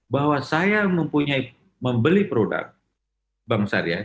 bahwa saya mempunyai membeli produk bank syariah